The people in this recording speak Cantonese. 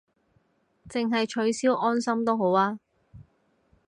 淨係取消安心都好吖